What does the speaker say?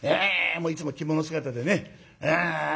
もういつも着物姿でね。